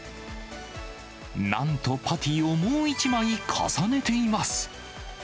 なんと、パティをもう１枚重ねています。